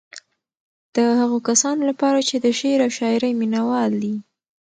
د هغو کسانو لپاره چې د شعر او شاعرۍ مينوال دي.